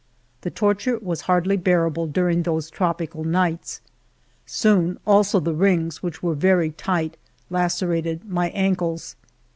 The torture was hardly bearable during those trop ical nights. Soon also the rings, which were very tight, lacerated my ankles.